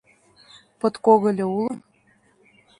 Подкогыльо уло?